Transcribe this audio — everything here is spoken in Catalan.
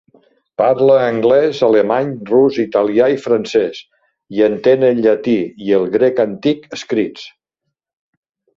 Parla anglès, alemany, rus, italià i francès i entén el llatí i el grec antic escrits.